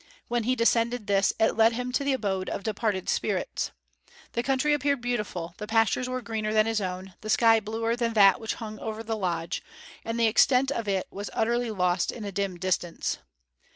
When he descended this, it led him to the abode of departed spirits. The country appeared beautiful, the pastures were greener than his own, the sky bluer than that which hung over the lodge, and the extent of it was utterly lost in a dim distance.